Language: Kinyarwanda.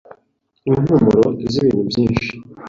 impumuro z’ibintu byinshi.